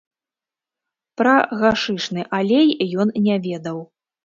Пра гашышны алей ён не ведаў.